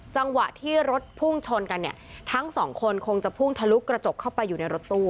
จังหวะที่รถพุ่งชนกันเนี่ยทั้งสองคนคงจะพุ่งทะลุกระจกเข้าไปอยู่ในรถตู้